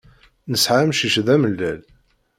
Nesεa amcic d amellal.